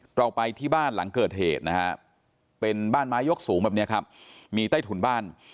เราไปที่บ้านหลังเกิดเหตุนะฮะเป็นบ้านไม้ยกสูงแบบนี้ครับมีใต้ถุนบ้าน